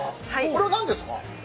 これは何ですか？